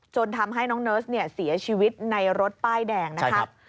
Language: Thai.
ทำให้น้องเนิร์สเสียชีวิตในรถป้ายแดงนะครับ